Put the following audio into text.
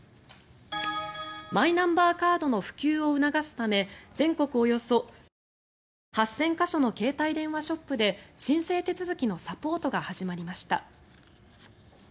マイナンバーカードの普及を促すため全国およそ８０００か所の携帯電話ショップで申請手続きのサポートが始まりました。